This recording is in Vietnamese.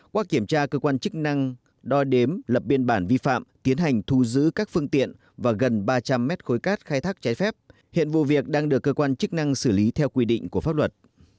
qua kiểm tra cơ quan chức năng đo đếm lập biên bản vi phạm tiến hành thu giữ các phương tiện và gần ba trăm linh mét khối cát khai thác trái phép hiện vụ việc đang được cơ quan chức năng xử lý theo quy định của pháp luật